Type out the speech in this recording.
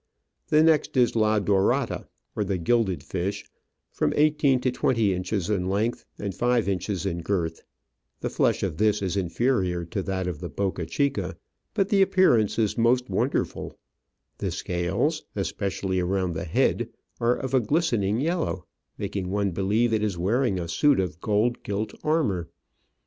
The next is La Dorada, or the gilded fish, from eighteen to twenty inches in length and five inches in girth ; the flesh of this is inferior to that of the Boca chica, but the appearance is most wonder ful; the scales, especially around the head, are of a glistening yellow, making one believe it is wearing a suit of gold gilt armour.